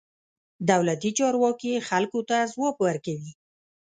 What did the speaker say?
دولتي چارواکي خلکو ته ځواب ورکوي.